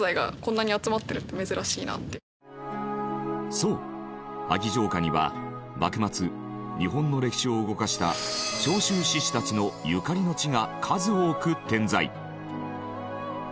そう萩城下には幕末日本の歴史を動かした長州志士たちのゆかりの地が数多く点在。